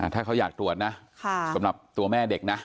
ถ้าเขาอยากตรวจนะสำหรับตัวแม่เด็กนะ